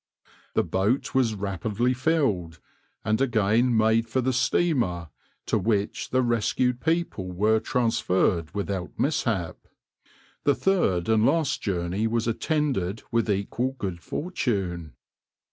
The boat was rapidly filled, and again made for the steamer, to which the rescued people were transferred without mishap. The third and last journey was attended with equal good fortune.